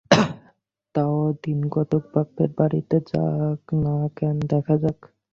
তা ও দিনকতক বাপের বাড়িতেই যাক না কেন, দেখা যাক।